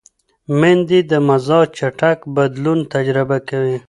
مېندې د مزاج چټک بدلون تجربه کوي.